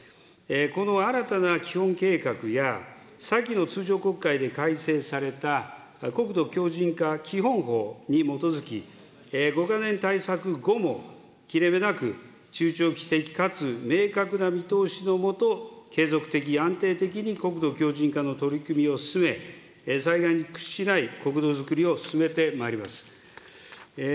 この新たな基本計画や、先の通常国会で改正された国土強じん化基本法に基づき、５か年対策後も切れ目なく中長期的かつ明確な見通しの下、継続的、安定的に国土強じん化の取り組みを進め、災害に屈しない国土づくりを進めてまいります。